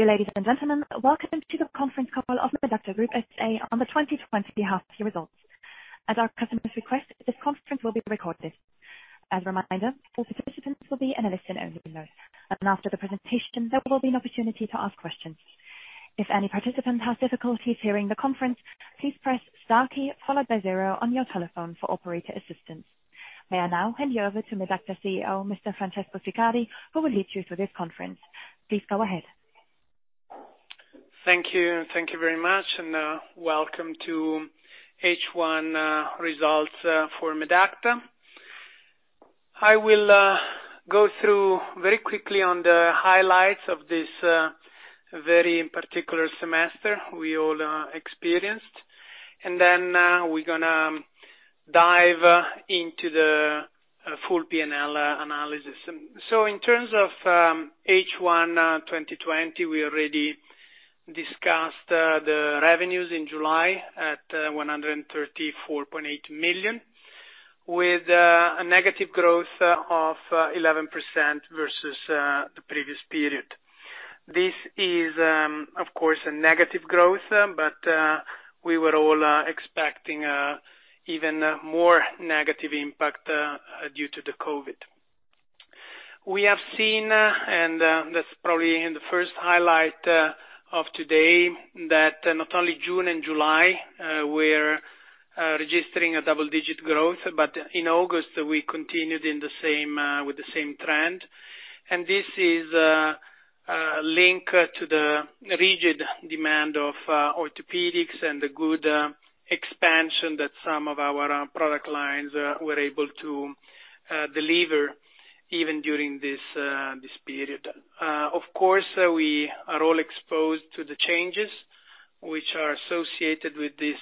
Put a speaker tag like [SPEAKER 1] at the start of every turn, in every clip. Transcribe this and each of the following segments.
[SPEAKER 1] Dear ladies and gentlemen, welcome to the conference call of Medacta Group SA on the 2020 half year results. At our customer's request, this conference will be recorded. As a reminder, all participants will be in a listen-only mode. After the presentation, there will be an opportunity to ask questions. If any participant has difficulties hearing the conference, please press star key followed by zero on your telephone for operator assistance. I will now hand you over to Medacta Chief Executive Officer, Mr. Francesco Siccardi, who will lead you through this conference. Please go ahead.
[SPEAKER 2] Thank you. Thank you very much. Welcome to H1 results for Medacta. I will go through very quickly on the highlights of this very particular semester we all experienced. Then we're going to dive into the full P&L analysis. In terms of H1 2020, we already discussed the revenues in July at 134.8 million, with a negative growth of 11% versus the previous period. This is, of course, a negative growth, but we were all expecting even more negative impact due to the COVID. We have seen, and that's probably in the first highlight of today, that not only June and July were registering a double-digit growth, but in August, we continued with the same trend. This is linked to the rigid demand of orthopedics and the good expansion that some of our product lines were able to deliver even during this period. Of course, we are all exposed to the changes which are associated with this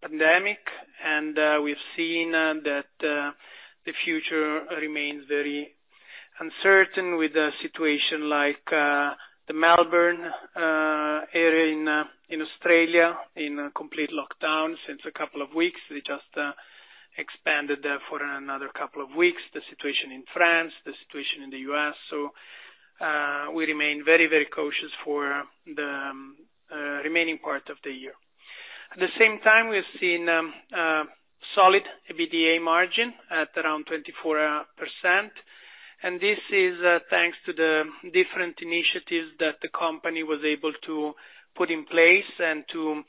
[SPEAKER 2] pandemic. We've seen that the future remains very uncertain with a situation like the Melbourne area in Australia in complete lockdown since a couple of weeks. They just expanded that for another couple of weeks. The situation in France, the situation in the U.S. We remain very cautious for the remaining part of the year. At the same time, we've seen solid EBITDA margin at around 24%. This is thanks to the different initiatives that the company was able to put in place and to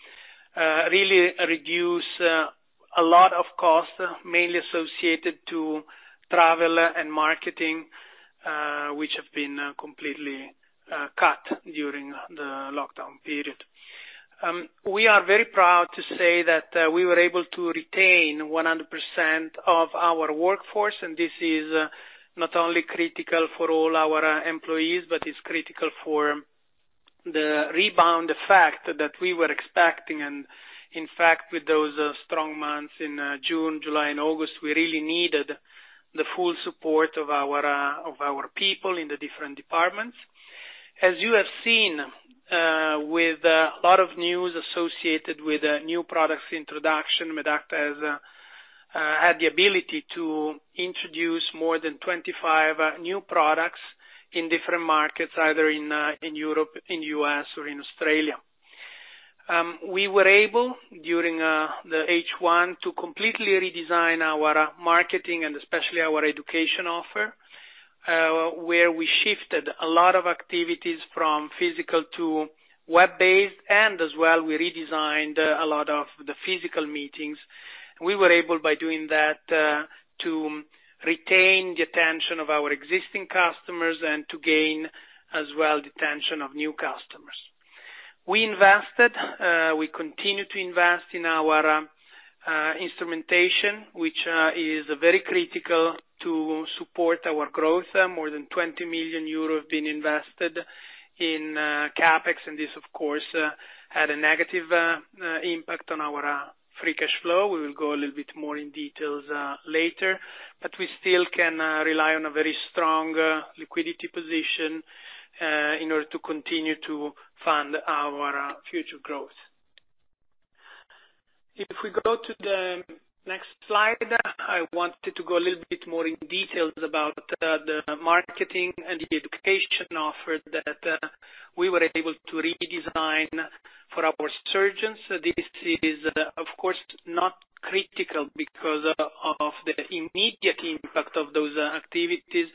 [SPEAKER 2] really reduce a lot of costs, mainly associated to travel and marketing, which have been completely cut during the lockdown period. We are very proud to say that we were able to retain 100% of our workforce, and this is not only critical for all our employees, but it's critical for the rebound effect that we were expecting. In fact, with those strong months in June, July, and August, we really needed the full support of our people in the different departments. As you have seen, with a lot of news associated with new products introduction, Medacta has had the ability to introduce more than 25 new products in different markets, either in Europe, in U.S. or in Australia. We were able, during the H1, to completely redesign our marketing and especially our education offer, where we shifted a lot of activities from physical to web-based, and as well, we redesigned a lot of the physical meetings. We were able, by doing that, to retain the attention of our existing customers and to gain as well, the attention of new customers. We invested. We continue to invest in our instrumentation, which is very critical to support our growth. More than 20 million euro have been invested in CapEx, and this, of course, had a negative impact on our free cash flow. We will go a little bit more in details later, but we still can rely on a very strong liquidity position in order to continue to fund our future growth. If we go to the next slide, I wanted to go a little bit more in details about the marketing and the education offer that we were able to redesign for our surgeons. This is, of course, not critical because of the immediate impact of those activities,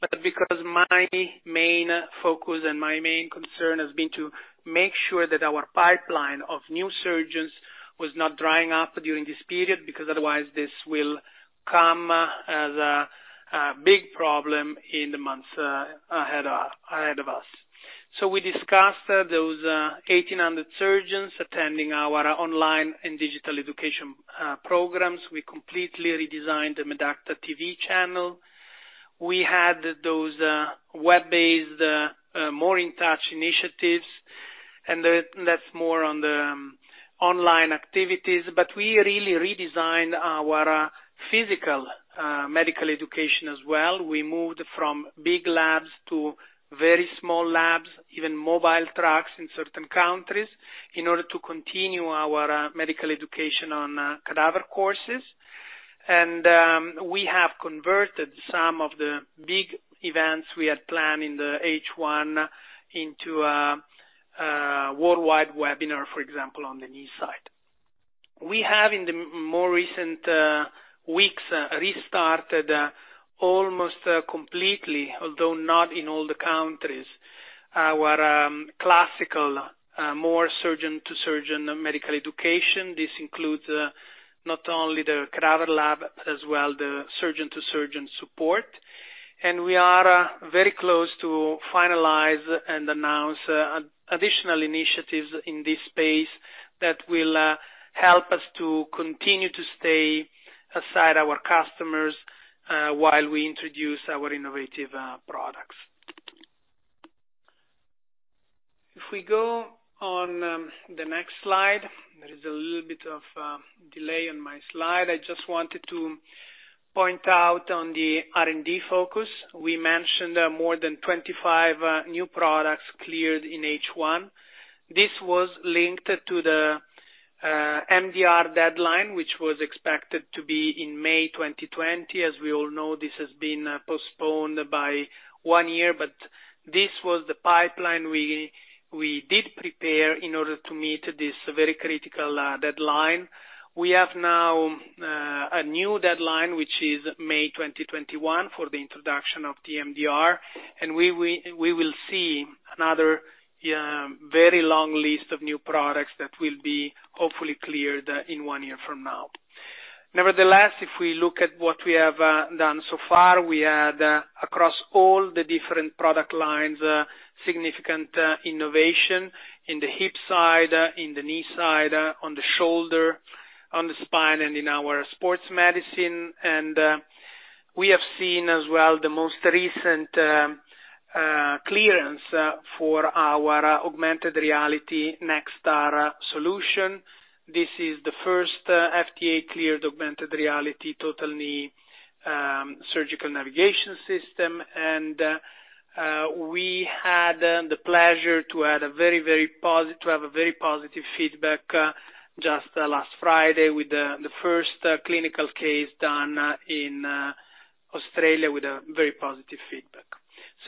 [SPEAKER 2] but because my main focus and my main concern has been to make sure that our pipeline of new surgeons was not drying up during this period, because otherwise this will come as a big problem in the months ahead of us. We discussed those 1,800 surgeons attending our online and digital education programs. We completely redesigned the Medacta.TV channel. We had those web-based MORE in Touch initiatives, and that's more on the online activities. We really redesigned our physical medical education as well. We moved from big labs to very small labs, even mobile trucks in certain countries, in order to continue our medical education on cadaver courses. We have converted some of the big events we had planned in the H1 into a worldwide webinar, for example, on the knee side. We have, in the more recent weeks, restarted almost completely, although not in all the countries, our classical, more surgeon-to-surgeon medical education. This includes not only the cadaver lab, as well, the surgeon-to-surgeon support. We are very close to finalize and announce additional initiatives in this space that will help us to continue to stay aside our customers, while we introduce our innovative products. If we go on the next slide. There is a little bit of a delay on my slide. I just wanted to point out on the R&D focus. We mentioned more than 25 new products cleared in H1. This was linked to the MDR deadline, which was expected to be in May 2020. As we all know, this has been postponed by one year. This was the pipeline we did prepare in order to meet this very critical deadline. We have now a new deadline, which is May 2021, for the introduction of the MDR, and we will see another very long list of new products that will be hopefully cleared in one year from now. Nevertheless, if we look at what we have done so far, we had, across all the different product lines, significant innovation in the hip side, in the knee side, on the shoulder, on the spine, and in our sports medicine. We have seen as well, the most recent clearance for our augmented reality NextAR solution. This is the first FDA-cleared augmented reality total knee surgical navigation system. We had the pleasure to have a very positive feedback just last Friday with the first clinical case done in Australia, with a very positive feedback.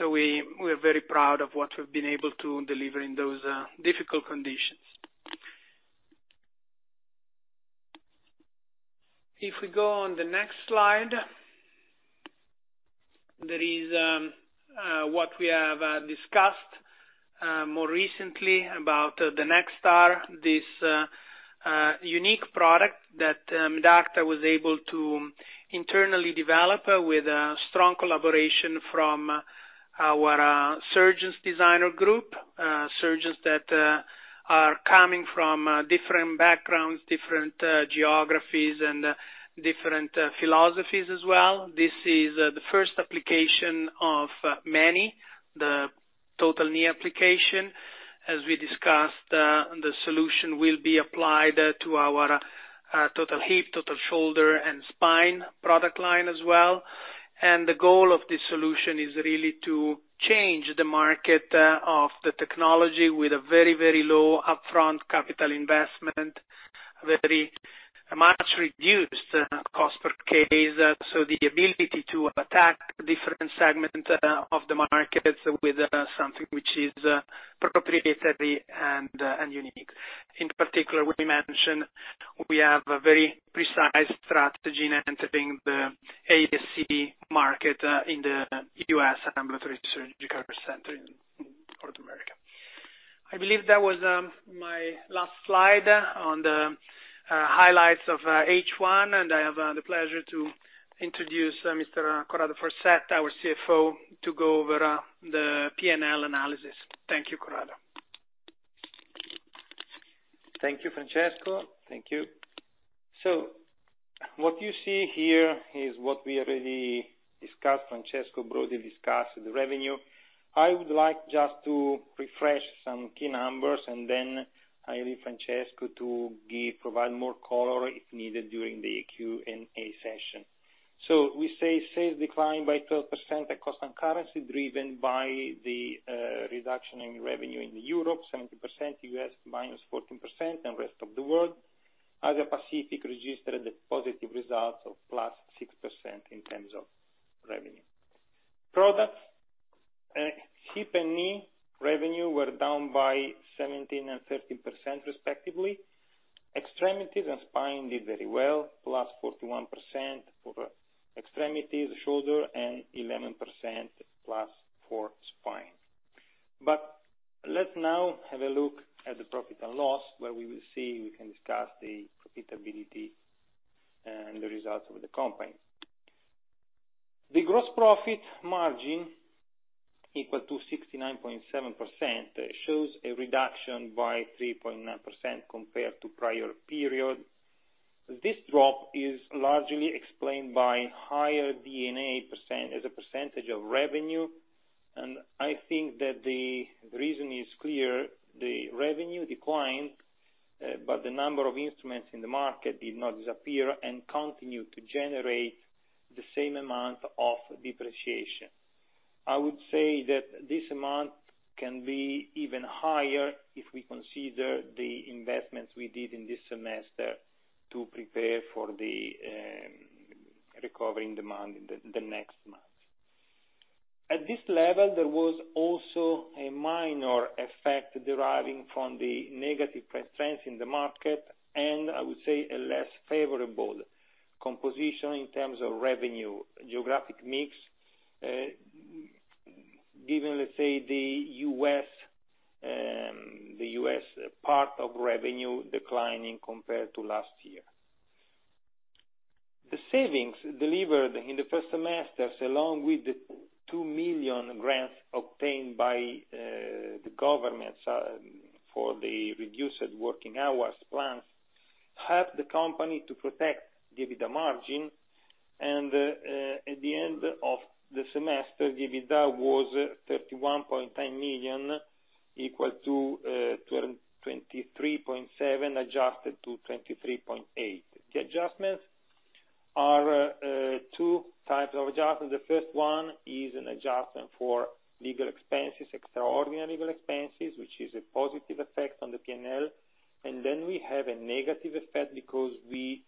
[SPEAKER 2] We're very proud of what we've been able to deliver in those difficult conditions. If we go on the next slide, there is what we have discussed more recently about the NextAR. This unique product that Medacta was able to internally develop with strong collaboration from our surgeons designer group. Surgeons that are coming from different backgrounds, different geographies, and different philosophies as well. This is the first application of many, the total knee application. As we discussed, the solution will be applied to our total hip, total shoulder, and spine product line as well. The goal of this solution is really to change the market of the technology with a very low upfront capital investment, very much reduced cost per case. The ability to attack different segments of the markets with something which is proprietary and unique. In particular, we mentioned we have a very precise strategy in entering the ASC market in the U.S. Ambulatory Surgical Center in North America. I believe that was my last slide on the highlights of H1. I have the pleasure to introduce Mr. Corrado Farsetta, our Chief Financial Officer, to go over the P&L analysis. Thank you, Corrado.
[SPEAKER 3] Thank you, Francesco. Thank you. What you see here is what we already discussed, Francesco broadly discussed, the revenue. I would like just to refresh some key numbers, and then I leave Francesco to provide more color if needed during the Q&A session. We say sales declined by 12% at constant currency, driven by the reduction in revenue in Europe, 17%, U.S. -14%, and rest of the world. Asia Pacific registered the positive results of +6% in terms of revenue. Products, hip and knee revenue were down by 17% and 13%, respectively. Extremities and spine did very well, +41% for extremities, shoulder, and +11% for spine. Let's now have a look at the profit and loss, where we can discuss the profitability and the results of the company. The gross profit margin, equal to 69.7%, shows a reduction by 3.9% compared to prior period. This drop is largely explained by higher D&A as a percentage of revenue, and I think that the reason is clear. The revenue declined. The number of instruments in the market did not disappear and continued to generate the same amount of depreciation. I would say that this amount can be even higher if we consider the investments we did in this semester to prepare for the recovering demand in the next months. At this level, there was also a minor effect deriving from the negative price trends in the market, and I would say, a less favorable composition in terms of revenue geographic mix, given, let's say, the U.S. part of revenue declining compared to last year. The savings delivered in the first semester, along with the 2 million grants obtained by the government for the reduced working hours plans, helped the company to protect EBITDA margin, and at the end of the semester, EBITDA was 31.9 million, equal to 23.7%, adjusted to 23.8%. The adjustments are two types of adjustments. The first one is an adjustment for legal expenses, extraordinary legal expenses, which is a positive effect on the P&L. Then we have a negative effect because we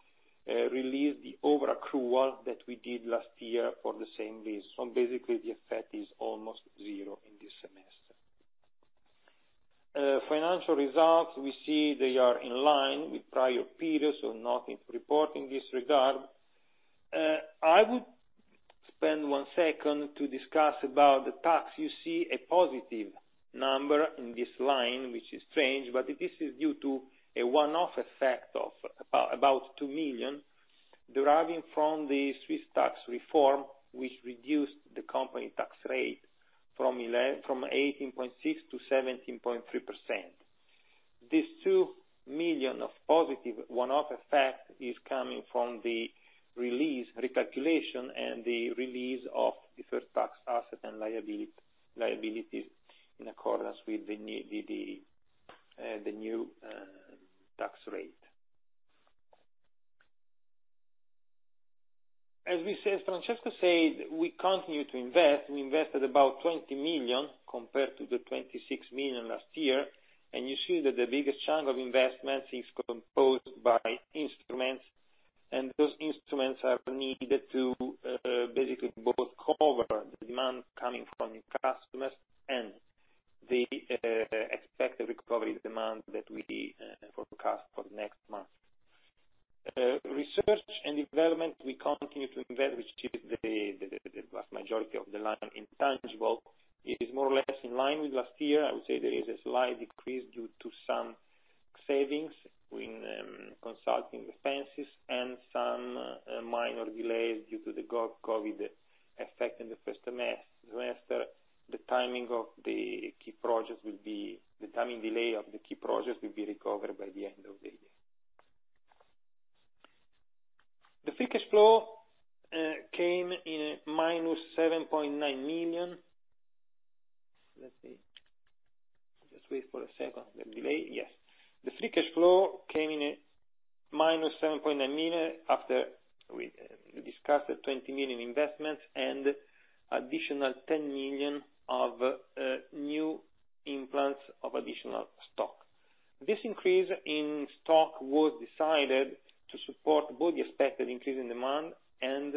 [SPEAKER 3] released the over accrual that we did last year for the same reason. Basically, the effect is almost zero in this semester. Financial results, we see they are in line with prior periods. Nothing to report in this regard. I would spend one second to discuss about the tax. You see a positive number in this line, which is strange. This is due to a one-off effect of about 2 million deriving from the Swiss tax reform, which reduced the company tax rate from 18.6%-17.3%. This 2 million of positive one-off effect is coming from the recalculation and the release of deferred tax assets and liabilities in accordance with the new tax rate. As Francesco said, we continue to invest. We invested about 20 million, compared to the 26 million last year. You see that the biggest chunk of investments is composed by instruments, and those instruments are needed to basically both cover the demand coming from customers and the expected recovery demand that we forecast for the next months. Research and development, we continue to invest, which is the vast majority of the line intangible. It is more or less in line with last year. I would say there is a slight decrease due to some savings in consulting expenses and some minor delays due to the COVID effect in the first semester. The timing delay of the key projects will be recovered by the end of the year. The free cash flow came in at -7.9 million. Let's see. Just wait for a second. The delay. Yes. The free cash flow came in at -7.9 million after we discussed the 20 million investments and additional 10 million of new implants of additional stock. This increase in stock was decided to support both the expected increase in demand and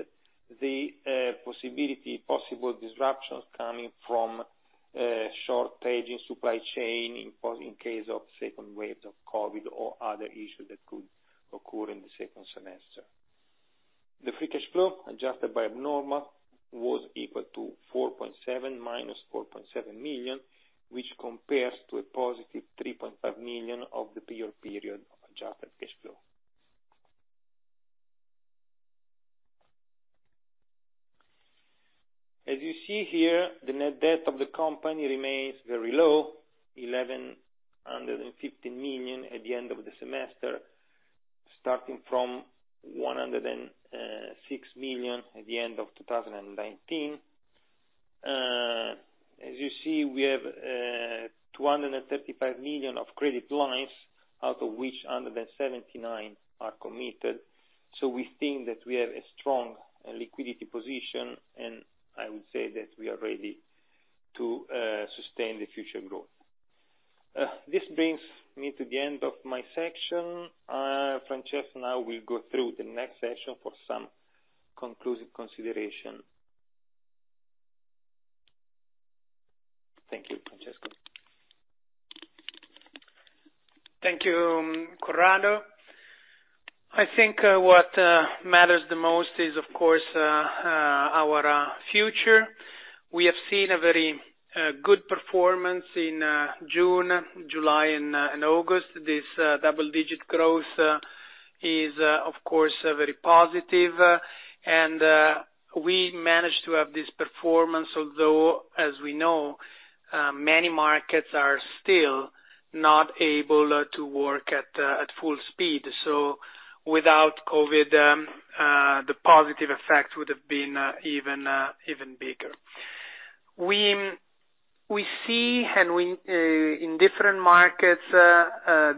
[SPEAKER 3] the possible disruptions coming from shortage in supply chain in case of second wave of COVID or other issues that could occur in the second semester. The free cash flow, adjusted by abnormal, was equal to -4.7 million, which compares to a +3.5 million of the prior period of adjusted cash flow. As you see here, the net debt of the company remains very low, 115 million at the end of the semester, starting from 106 million at the end of 2019. As you see, we have 235 million of credit lines, out of which 179 million are committed. We think that we have a strong liquidity position, and I would say that we are ready to sustain the future growth. This brings me to the end of my section. Francesco now will go through the next section for some conclusive consideration. Thank you, Francesco.
[SPEAKER 2] Thank you, Corrado. I think what matters the most is, of course, our future. We have seen a very good performance in June, July, and August. This double-digit growth is, of course, very positive. We managed to have this performance, although, as we know, many markets are still not able to work at full speed. Without COVID, the positive effect would have been even bigger. We see in different markets,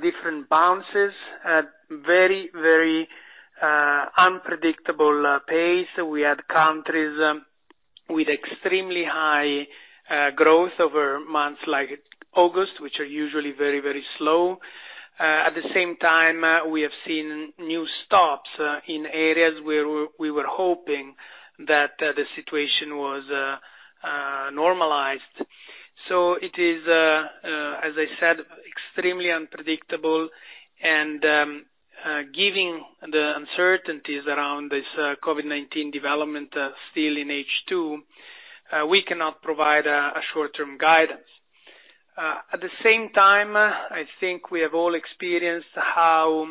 [SPEAKER 2] different bounces at very, very unpredictable pace. We had countries with extremely high growth over months like August, which are usually very, very slow. At the same time, we have seen new stops in areas where we were hoping that the situation was normalized. It is, as I said, extremely unpredictable and, giving the uncertainties around this COVID-19 development still in H2, we cannot provide a short-term guidance. At the same time, I think we have all experienced how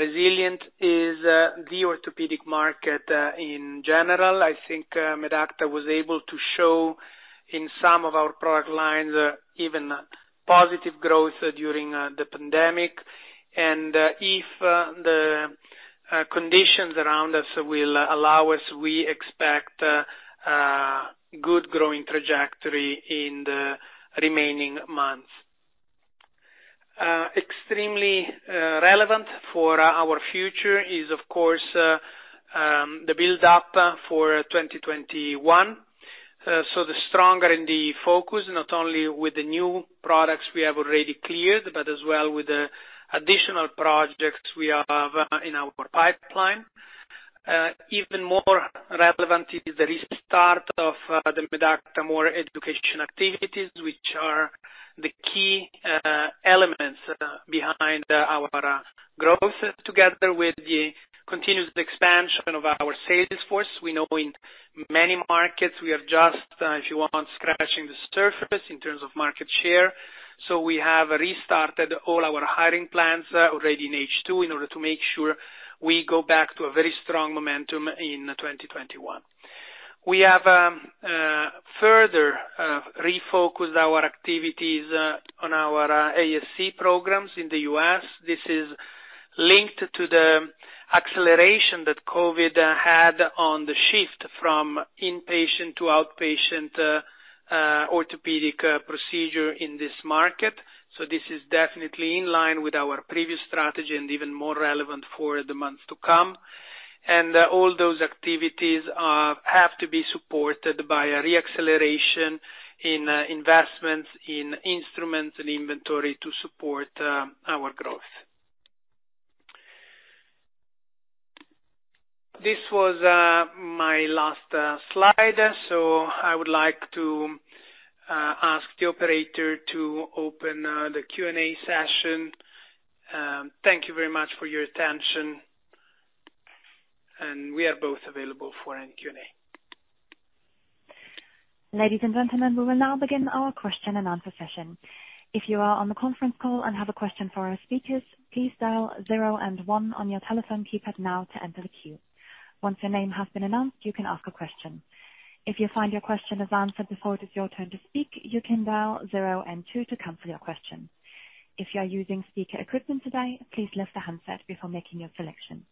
[SPEAKER 2] resilient is the orthopedic market in general. I think Medacta was able to show in some of our product lines, even positive growth during the pandemic. If the conditions around us will allow us, we expect good growing trajectory in the remaining months. Extremely relevant for our future is, of course, the build-up for 2021. The stronger R&D focus, not only with the new products we have already cleared, but as well with the additional projects we have in our pipeline. Even more relevant is the restart of the Medacta MORE education activities, which are the key elements behind our growth, together with the continuous expansion of our sales force. We know in many markets, we are just, if you want, scratching the surface in terms of market share. We have restarted all our hiring plans already in H2 in order to make sure we go back to a very strong momentum in 2021. We have further refocused our activities on our ASC programs in the U.S. This is linked to the acceleration that COVID had on the shift from inpatient to outpatient orthopedic procedure in this market. This is definitely in line with our previous strategy and even more relevant for the months to come. All those activities have to be supported by a re-acceleration in investments, in instruments and inventory to support our growth. This was my last slide. I would like to ask the operator to open the Q&A session. Thank you very much for your attention. We are both available for any Q&A.
[SPEAKER 1] Ladies and gentlemen we will now begin our question and answer session. If you are on the conference call and have a question for our speakers please dial zero and one on your telephone keypad now to enter the queue. Once your name has been announced you can ask a question. If you find your question was answered before it was your turn to speak you can dial zero and two to cancel your question. If you are using speaker equipment today please lift the handset before making your selection.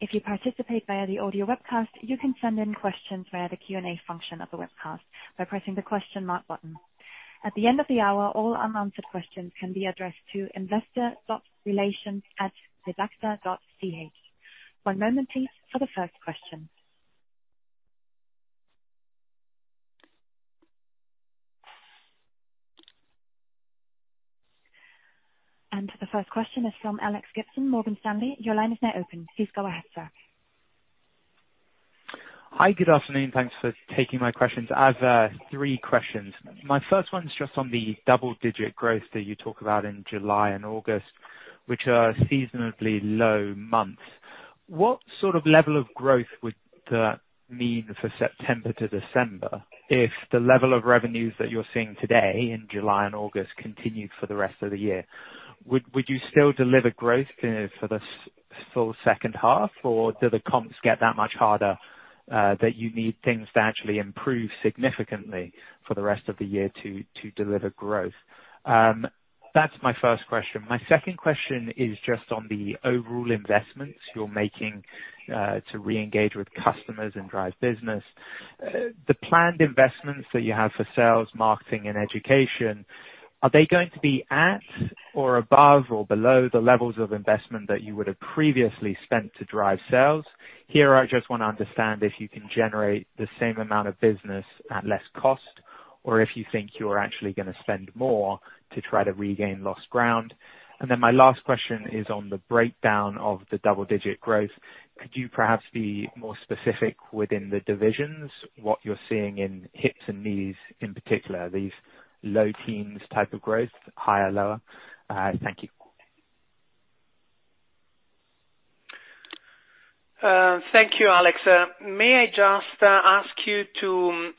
[SPEAKER 1] If you participate via the audio webcast you can send in questions via the Q&A function of the webcast by pressing the question mark button. At the end of the hour all unanswered questions can be addressed to investor.relations@medacta.ch. One moment please for the first question. The first question is from Alex Gibson, Morgan Stanley. Your line is now open. Please go ahead, sir.
[SPEAKER 4] Hi. Good afternoon. Thanks for taking my questions. I have three questions. My first one is just on the double-digit growth that you talk about in July and August, which are seasonably low months. What sort of level of growth would that mean for September to December if the level of revenues that you're seeing today in July and August continued for the rest of the year? Would you still deliver growth for the full second half, or do the comps get that much harder, that you need things to actually improve significantly for the rest of the year to deliver growth? That's my first question. My second question is just on the overall investments you're making to reengage with customers and drive business. The planned investments that you have for sales, marketing, and education, are they going to be at or above or below the levels of investment that you would have previously spent to drive sales? Here I just want to understand if you can generate the same amount of business at less cost, or if you think you are actually going to spend more to try to regain lost ground. Then my last question is on the breakdown of the double-digit growth. Could you perhaps be more specific within the divisions, what you're seeing in hips and knees, in particular, these low teens type of growth, higher, lower? Thank you.
[SPEAKER 2] Thank you, Alex. May I just ask you,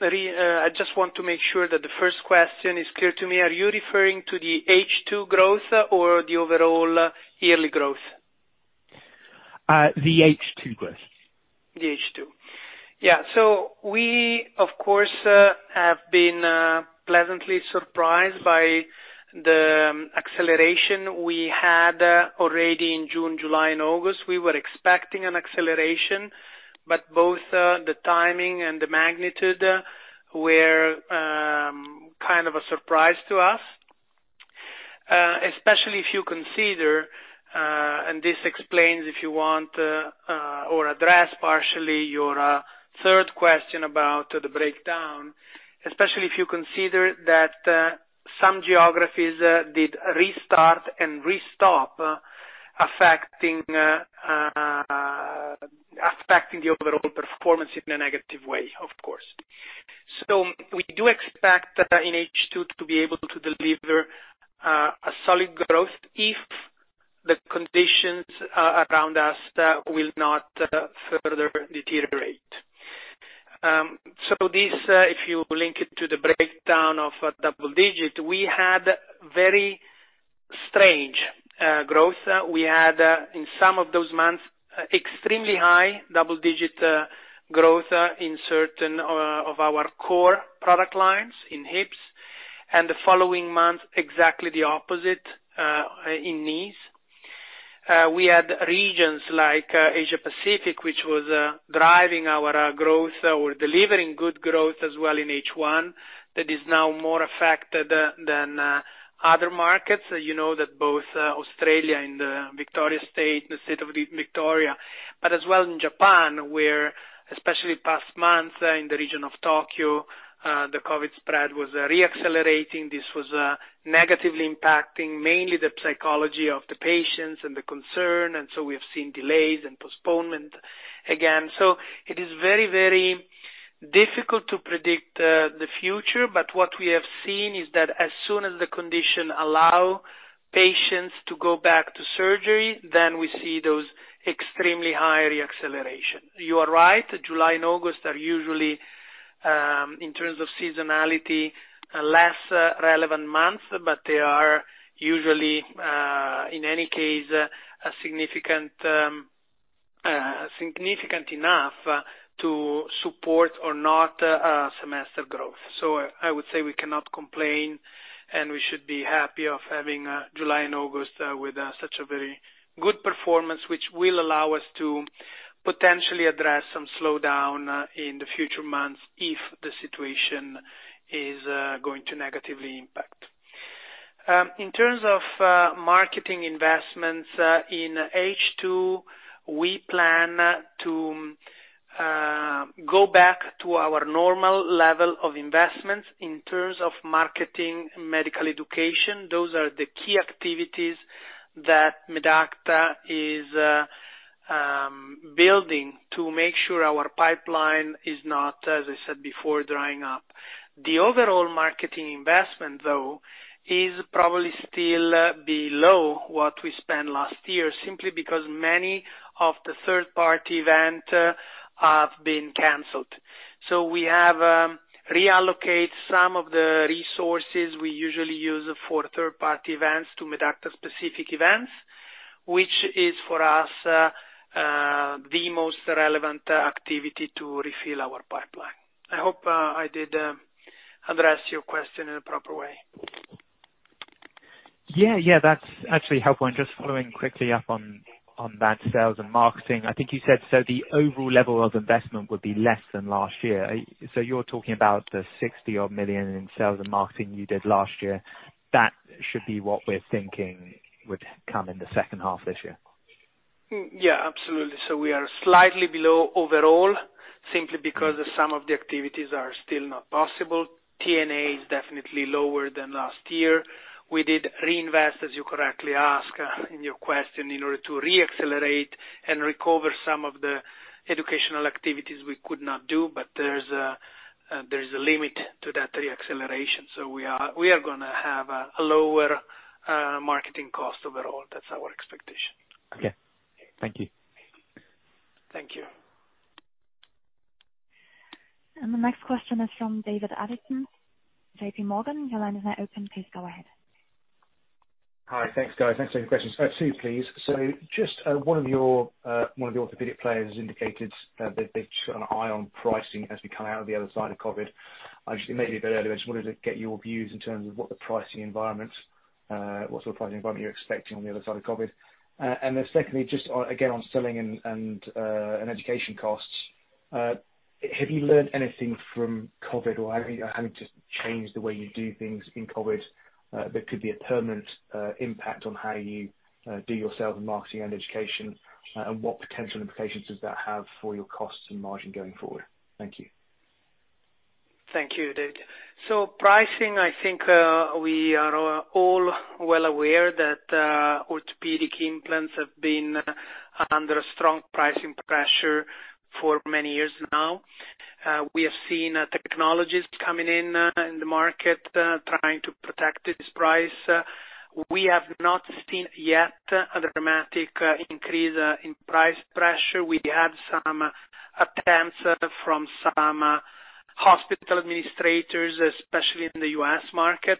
[SPEAKER 2] I just want to make sure that the first question is clear to me. Are you referring to the H2 growth or the overall yearly growth?
[SPEAKER 4] The H2 growth.
[SPEAKER 2] The H2. Yeah. We, of course, have been pleasantly surprised by the acceleration we had already in June, July, and August. We were expecting an acceleration, but both the timing and the magnitude were kind of a surprise to us, especially if you consider, and this explains if you want, or address partially your third question about the breakdown, especially if you consider that some geographies did restart and restop, affecting the overall performance in a negative way, of course. We do expect in H2 to be able to deliver a solid growth if the conditions around us will not further deteriorate. This, if you link it to the breakdown of double-digit, we had very strange growth. We had, in some of those months, extremely high double-digit growth in certain of our core product lines in hips, and the following month, exactly the opposite in knees. We had regions like Asia Pacific, which was driving our growth or delivering good growth as well in H1, that is now more affected than other markets. You know that both Australia and the Victoria State, the state of Victoria, as well in Japan, where, especially past months in the region of Tokyo, the COVID spread was re-accelerating. This was negatively impacting mainly the psychology of the patients and the concern, we have seen delays and postponement again. It is very, very difficult to predict the future, what we have seen is that as soon as the condition allow patients to go back to surgery, then we see those extremely high re-acceleration. You are right, July and August are usually, in terms of seasonality, less relevant months, they are usually, in any case, significant enough to support or not a semester growth. I would say we cannot complain, and we should be happy of having July and August with such a very good performance, which will allow us to potentially address some slowdown in the future months if the situation is going to negatively impact. In terms of marketing investments, in H2, we plan to go back to our normal level of investments in terms of marketing medical education. Those are the key activities that Medacta is building to make sure our pipeline is not, as I said before, drying up. The overall marketing investment, though, is probably still below what we spent last year, simply because many of the third-party event have been canceled. We have reallocate some of the resources we usually use for third-party events to Medacta specific events, which is for us, the most relevant activity to refill our pipeline. I hope I did address your question in a proper way.
[SPEAKER 4] Yeah. That's actually helpful. Just following quickly up on that sales and marketing, I think you said, the overall level of investment would be less than last year. You're talking about the 60 million odd in sales and marketing you did last year. That should be what we're thinking would come in the second half this year.
[SPEAKER 2] Yeah, absolutely. We are slightly below overall, simply because some of the activities are still not possible. T&E is definitely lower than last year. We did reinvest, as you correctly ask in your question, in order to re-accelerate and recover some of the educational activities we could not do, but there's a limit to that re-acceleration. We are going to have a lower marketing cost overall. That's our expectation.
[SPEAKER 4] Okay. Thank you.
[SPEAKER 2] Thank you.
[SPEAKER 1] The next question is from David Adlington, JPMorgan. Your line is now open. Please go ahead.
[SPEAKER 5] Hi. Thanks, guys. Thanks for the questions. Two, please. Just one of the orthopedic players has indicated that they've kept an eye on pricing as we come out of the other side of COVID. Actually, maybe a bit earlier, I just wanted to get your views in terms of what sort of pricing environment you're expecting on the other side of COVID. Secondly, just again, on selling and education costs, have you learned anything from COVID or having to change the way you do things in COVID that could be a permanent impact on how you do your sales and marketing and education? What potential implications does that have for your costs and margin going forward? Thank you.
[SPEAKER 2] Thank you, David. Pricing, I think, we are all well aware that orthopedic implants have been under strong pricing pressure for many years now. We have seen technologies coming in the market trying to protect this price. We have not seen yet a dramatic increase in price pressure. We had some attempts from some hospital administrators, especially in the U.S. market.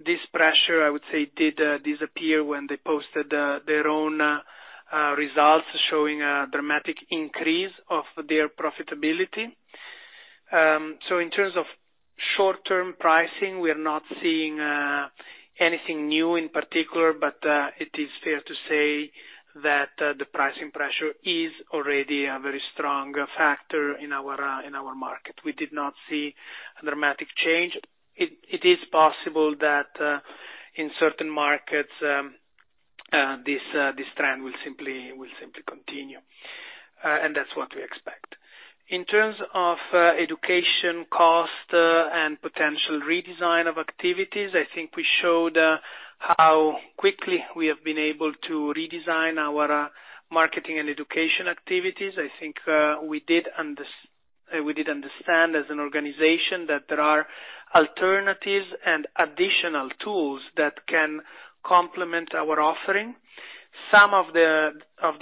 [SPEAKER 2] This pressure, I would say, did disappear when they posted their own results, showing a dramatic increase of their profitability. In terms of short-term pricing, we are not seeing anything new in particular, but it is fair to say that the pricing pressure is already a very strong factor in our market. We did not see a dramatic change. It is possible that in certain markets, this trend will simply continue. That's what we expect. In terms of education cost and potential redesign of activities, I think we showed how quickly we have been able to redesign our marketing and education activities. I think we did understand as an organization that there are alternatives and additional tools that can complement our offering. Some of the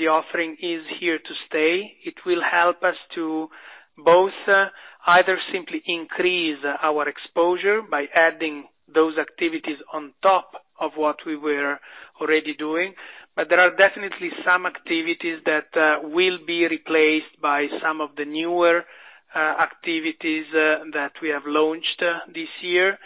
[SPEAKER 2] offering is here to stay. It will help us to both, either simply increase our exposure by adding those activities on top of what we were already doing. There are definitely some activities that will be replaced by some of the newer activities that we have launched this year.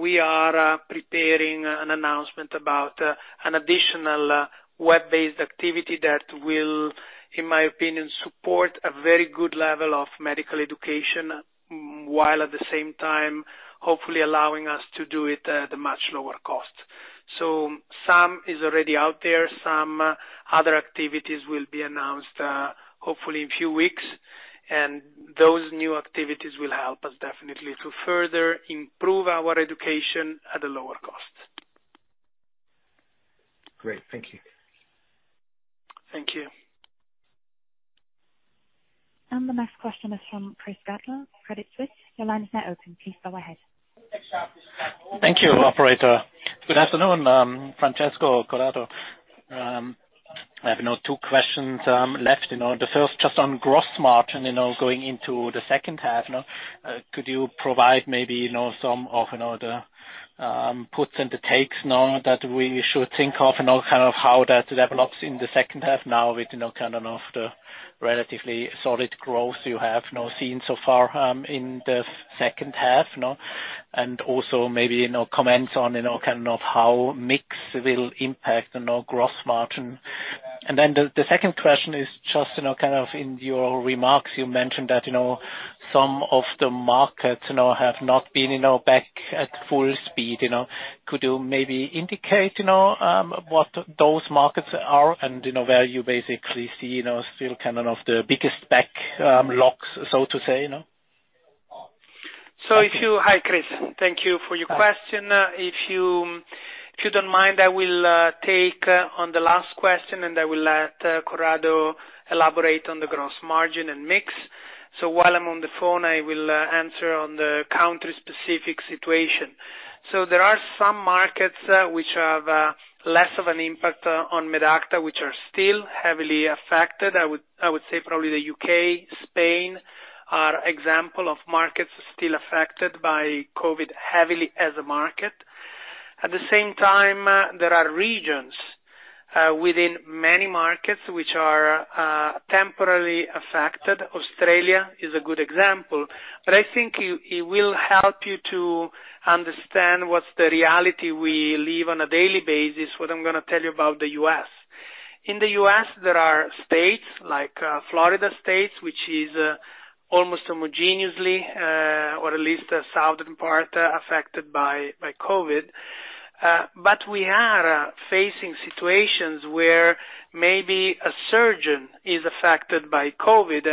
[SPEAKER 2] We are preparing an announcement about an additional web-based activity that will, in my opinion, support a very good level of medical education, while at the same time, hopefully allowing us to do it at a much lower cost. Some is already out there. Some other activities will be announced, hopefully in a few weeks. Those new activities will help us definitely to further improve our education at a lower cost.
[SPEAKER 5] Great. Thank you.
[SPEAKER 2] Thank you.
[SPEAKER 1] The next question is from Chris Gretler, Credit Suisse. Your line is now open. Please go ahead.
[SPEAKER 6] Thank you, operator. Good afternoon, Francesco, Corrado. I have now two questions left. The first, just on gross margin, going into the second half now, could you provide maybe some of the puts and the takes now that we should think of and kind of how that develops in the second half now with, kind of the relatively solid growth you have now seen so far, in the second half? Also maybe, comments on, kind of how mix will impact the now gross margin. The second question is just, kind of in your remarks, you mentioned that some of the markets now have not been back at full speed. Could you maybe indicate, what those markets are and where you basically see, still kind of the biggest backlogs, so to say?
[SPEAKER 2] Hi, Chris. Thank you for your question. If you don't mind, I will take on the last question. I will let Corrado elaborate on the gross margin and mix. While I'm on the phone, I will answer on the country-specific situation. There are some markets which have less of an impact on Medacta, which are still heavily affected. I would say probably the U.K., Spain, are example of markets still affected by COVID heavily as a market. At the same time, there are regions within many markets which are temporarily affected. Australia is a good example. I think it will help you to understand what's the reality we live on a daily basis, what I'm going to tell you about the U.S. In the U.S., there are states like Florida, which is almost homogeneously, or at least the southern part, affected by COVID. We are facing situations where maybe a surgeon is affected by COVID,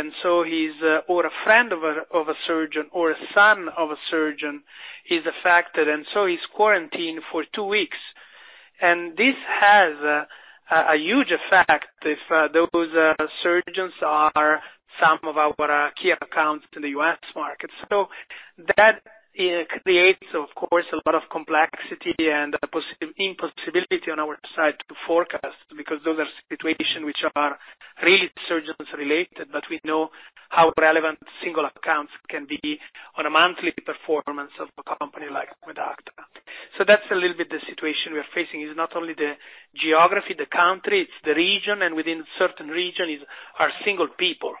[SPEAKER 2] or a friend of a surgeon or a son of a surgeon is affected, and he's quarantined for two weeks. This has a huge effect if those surgeons are some of our key accounts in the U.S. market. That creates, of course, a lot of complexity and impossibility on our side to forecast, because those are situations which are really surgeons related, but we know how relevant single accounts can be on a monthly performance of a company like Medacta. That's a little bit the situation we are facing. It's not only the geography, the country, it's the region, and within certain region are single people.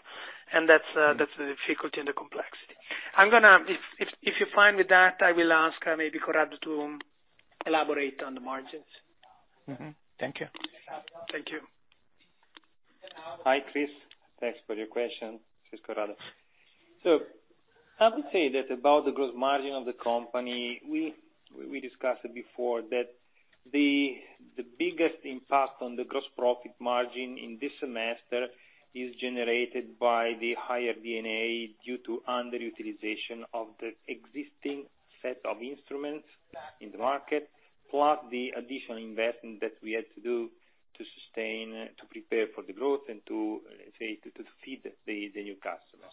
[SPEAKER 2] That's the difficulty and the complexity. If you're fine with that, I will ask maybe Corrado to elaborate on the margins.
[SPEAKER 6] Mm-hmm. Thank you.
[SPEAKER 2] Thank you.
[SPEAKER 3] Hi, Chris. Thanks for your question. This is Corrado. I would say that about the gross margin of the company, we discussed it before, that the biggest impact on the gross profit margin in this semester is generated by the higher D&A due to underutilization of the existing set of instruments in the market, plus the additional investment that we had to do to sustain, to prepare for the growth and to, let's say, to feed the new customers.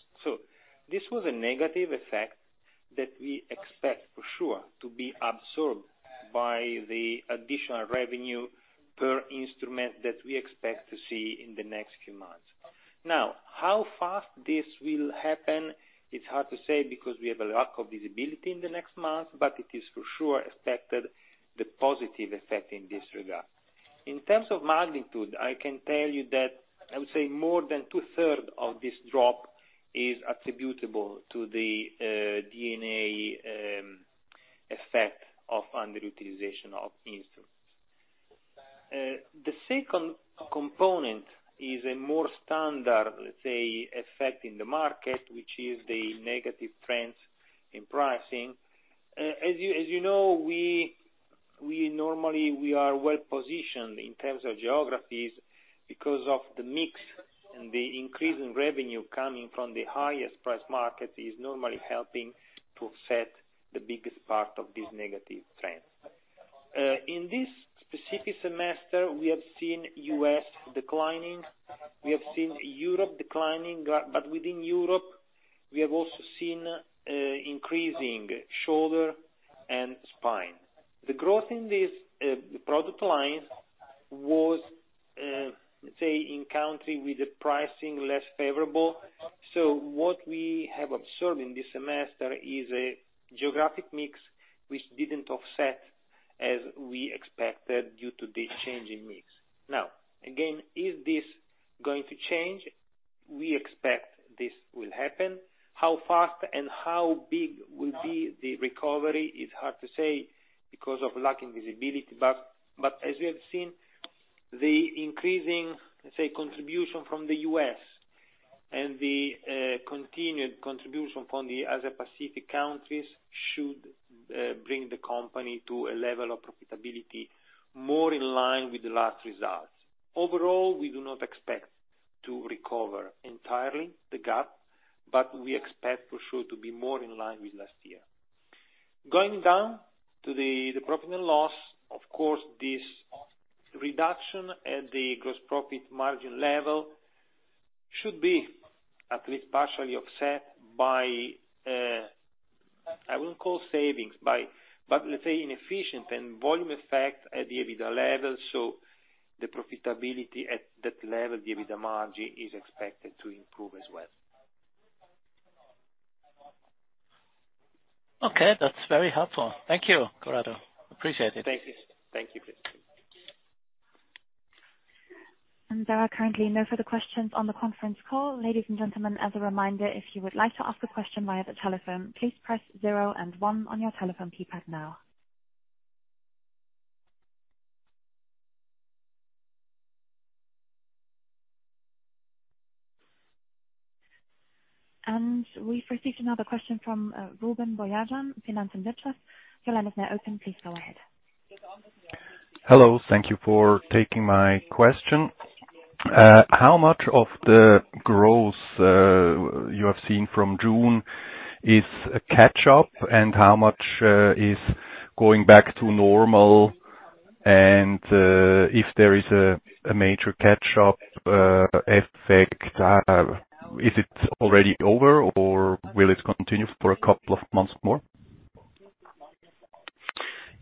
[SPEAKER 3] This was a negative effect that we expect for sure to be absorbed by the additional revenue per instrument that we expect to see in the next few months. How fast this will happen, it's hard to say, because we have a lack of visibility in the next month, but it is for sure expected, the positive effect in this regard. In terms of magnitude, I can tell you that I would say more than two-thirds of this drop is attributable to the D&A effect of underutilization of instruments. The second component is a more standard, let's say, effect in the market, which is the negative trends in pricing. As you know, normally, we are well positioned in terms of geographies because of the mix and the increase in revenue coming from the highest price market is normally helping to offset the biggest part of this negative trend. In this specific semester, we have seen U.S. declining, we have seen Europe declining. Within Europe, we have also seen increasing shoulder and spine. The growth in this product line was, let's say, in country with the pricing less favorable. What we have observed in this semester is a geographic mix which didn't offset as we expected due to this change in mix. Again, is this going to change? We expect this will happen. How fast and how big will be the recovery is hard to say because of lacking visibility. As we have seen, the increasing, let's say, contribution from the U.S. and the continued contribution from the other Pacific countries should bring the company to a level of profitability more in line with the last results. Overall, we do not expect to recover entirely the gap, but we expect for sure to be more in line with last year. Going down to the profit and loss, of course, this reduction at the gross profit margin level should be at least partially offset by, I wouldn't call savings, but let's say inefficient and volume effect at the EBITDA level. The profitability at that level, the EBITDA margin, is expected to improve as well.
[SPEAKER 6] Okay. That's very helpful. Thank you, Corrado. Appreciate it.
[SPEAKER 3] Thank you, Chris.
[SPEAKER 1] There are currently no further questions on the conference call. Ladies and gentlemen, as a reminder, if you would like to ask a question via the telephone, please press zero and one on your telephone keypad now. We've received another question from Ruben Boyagian, Finanz und Wirtschaft. Your line is now open. Please go ahead.
[SPEAKER 7] Hello. Thank you for taking my question. How much of the growth you have seen from June is a catch-up, and how much is going back to normal? If there is a major catch-up effect, is it already over, or will it continue for a couple of months more?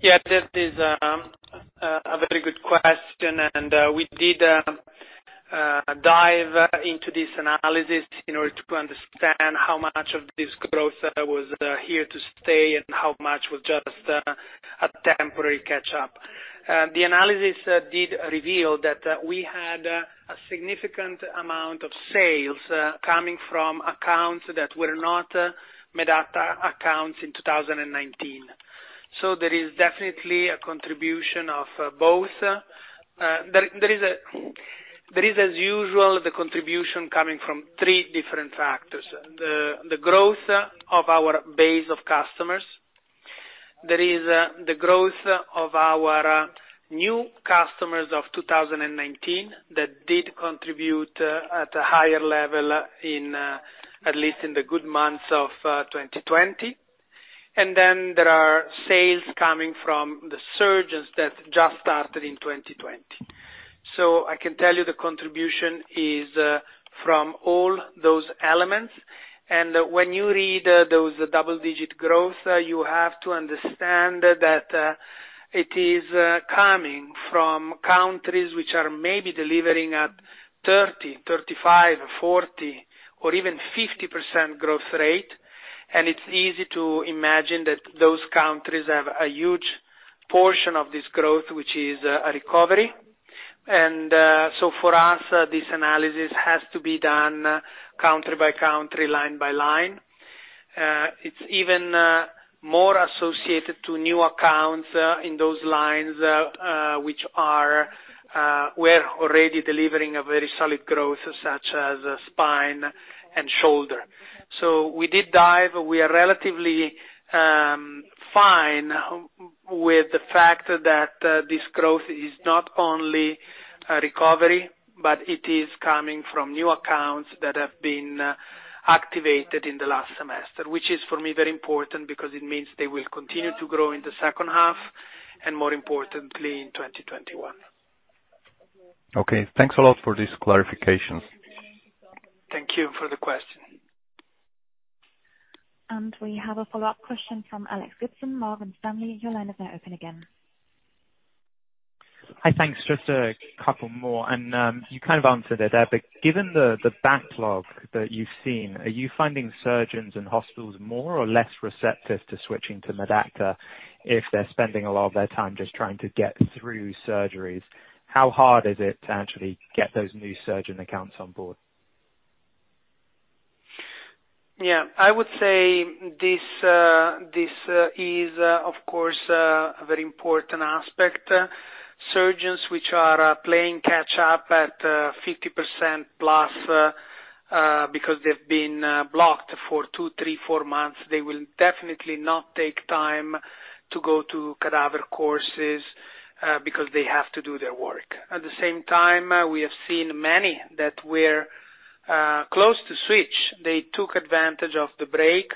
[SPEAKER 2] Yeah, that is a very good question, and we did dive into this analysis in order to understand how much of this growth was here to stay and how much was just a temporary catch-up. The analysis did reveal that we had a significant amount of sales coming from accounts that were not Medacta accounts in 2019. There is definitely a contribution of both. There is as usual, the contribution coming from three different factors. The growth of our base of customers. There is the growth of our new customers of 2019 that did contribute at a higher level, at least in the good months of 2020. There are sales coming from the surgeons that just started in 2020. I can tell you the contribution is from all those elements. When you read those double-digit growth, you have to understand that it is coming from countries which are maybe delivering at 30%, 35%, 40%, or even 50% growth rate. It's easy to imagine that those countries have a huge portion of this growth, which is a recovery. For us, this analysis has to be done country by country, line by line. It's even more associated to new accounts in those lines, which were already delivering a very solid growth, such as spine and shoulder. We did dive. We are relatively fine with the fact that this growth is not only a recovery, but it is coming from new accounts that have been activated in the last semester, which is for me, very important because it means they will continue to grow in the second half, and more importantly, in 2021.
[SPEAKER 7] Okay. Thanks a lot for this clarification.
[SPEAKER 2] Thank you for the question.
[SPEAKER 1] We have a follow-up question from Alex Gibson, Morgan Stanley. Your line is now open again.
[SPEAKER 4] Hi. Thanks. Just a couple more. You kind of answered it there. Given the backlog that you've seen, are you finding surgeons and hospitals more or less receptive to switching to Medacta if they're spending a lot of their time just trying to get through surgeries? How hard is it to actually get those new surgeon accounts on board?
[SPEAKER 2] I would say this is, of course, a very important aspect. Surgeons which are playing catch up at 50%+ because they've been blocked for two, three, four months, they will definitely not take time to go to cadaver courses because they have to do their work. At the same time, we have seen many that were close to switch. They took advantage of the break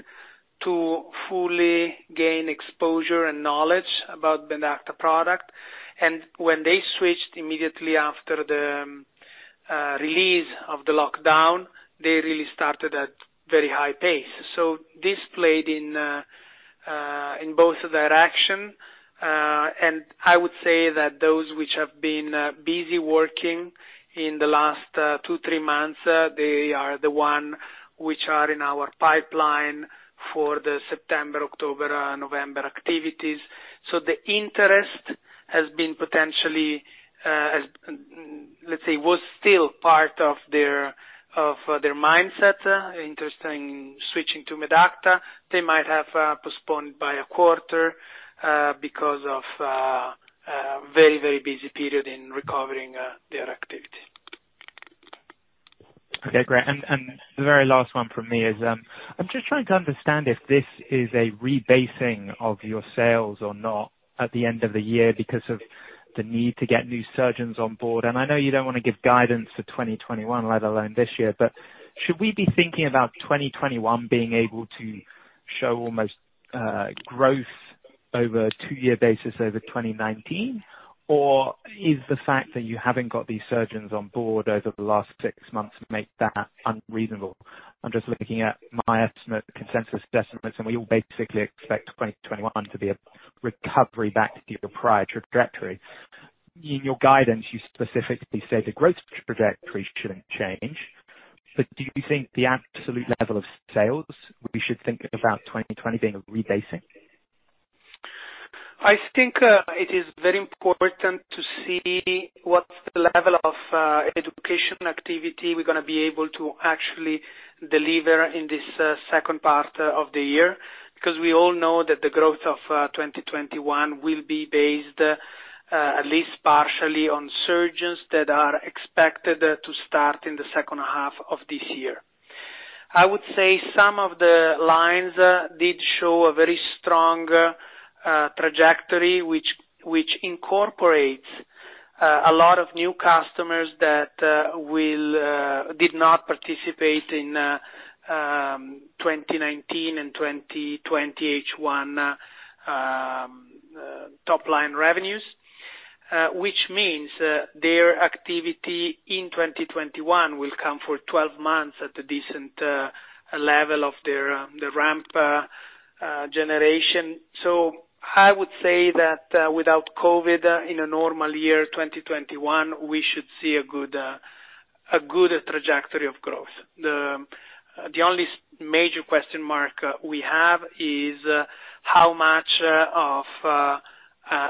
[SPEAKER 2] to fully gain exposure and knowledge about Medacta product. When they switched immediately after the release of the lockdown, they really started at very high pace. This played in both direction. I would say that those which have been busy working in the last two, three months, they are the one which are in our pipeline for the September, October, November activities. The interest, let's say, was still part of their mindset, interest in switching to Medacta. They might have postponed by a quarter, because of very busy period in recovering their activity.
[SPEAKER 4] Okay, great. The very last one from me is, I'm just trying to understand if this is a rebasing of your sales or not at the end of the year because of the need to get new surgeons on board. I know you don't want to give guidance for 2021, let alone this year, but should we be thinking about 2021 being able to show almost growth over a two-year basis over 2019? Is the fact that you haven't got these surgeons on board over the last six months make that unreasonable? I'm just looking at my estimate, the consensus estimates, and we all basically expect 2021 to be a recovery back to your prior trajectory. In your guidance, you specifically say the growth trajectory shouldn't change, but do you think the absolute level of sales, we should think about 2020 being a rebasing?
[SPEAKER 2] I think it is very important to see what's the level of education activity we're going to be able to actually deliver in this second part of the year. We all know that the growth of 2021 will be based, at least partially, on surgeons that are expected to start in the second half of this year. I would say some of the lines did show a very strong trajectory, which incorporates a lot of new customers that did not participate in 2019 and 2020 H1 top line revenues. Their activity in 2021 will come for 12 months at a decent level of their ramp generation. I would say that without COVID, in a normal year, 2021, we should see a good trajectory of growth. The only major question mark we have is how much of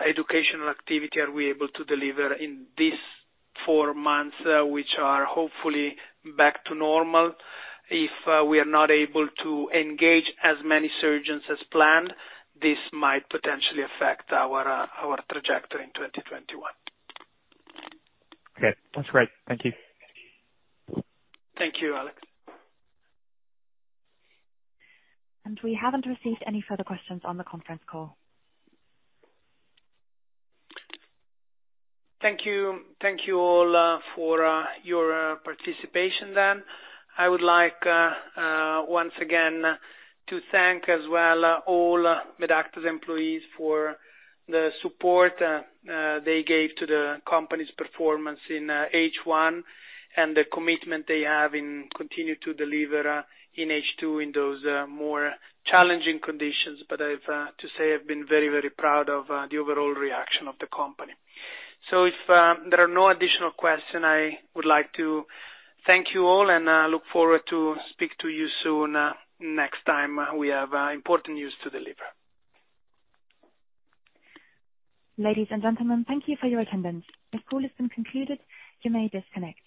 [SPEAKER 2] educational activity are we able to deliver in these four months, which are hopefully back to normal. If we are not able to engage as many surgeons as planned, this might potentially affect our trajectory in 2021.
[SPEAKER 4] Okay. That's great. Thank you.
[SPEAKER 2] Thank you, Alex.
[SPEAKER 1] We haven't received any further questions on the conference call.
[SPEAKER 2] Thank you all for your participation. I would like, once again, to thank as well all Medacta's employees for the support they gave to the company's performance in H1 and the commitment they have and continue to deliver in H2 in those more challenging conditions. I have to say I've been very proud of the overall reaction of the company. If there are no additional questions, I would like to thank you all, and I look forward to speak to you soon next time we have important news to deliver.
[SPEAKER 1] Ladies and gentlemen, thank you for your attendance. This call has been concluded. You may disconnect.